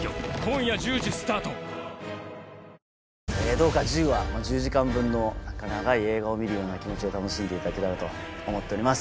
どうか１０話１０時間分の長い映画を見るような気持ちで楽しんでいただけたらと思っております。